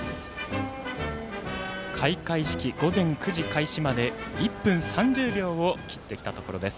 開会式午前９時開始まで１分を切ってきたところです。